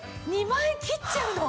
２万円切っちゃうの！？